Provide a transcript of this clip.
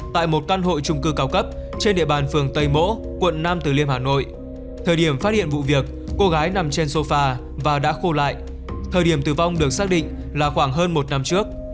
thời điểm tử vong được xác định là khoảng hơn một năm trước